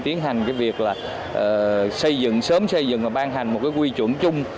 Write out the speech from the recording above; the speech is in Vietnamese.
tiến hành việc sớm xây dựng và ban hành một quy chuẩn chung